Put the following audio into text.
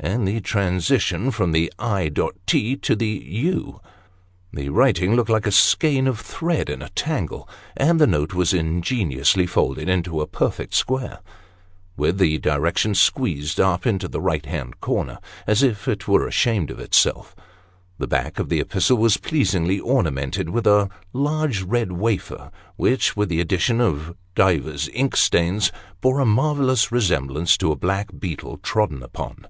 ;" and the transition from the " I. T." to the " you." The writing looked like a skein of thread in a tangle, and the note was ingeniously folded into a perfect square, with the direction squeezed up into the right hand corner, as if it were ashamed of itself. The back of the epistle was pleasingly ornamented with a large red wafer, which, with the addition of divers ink stains, bore a marvellous resemblance to a black beetle trodden upon.